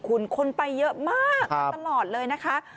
คุณคนไปเยอะมากมาตลอดเลยนะคะ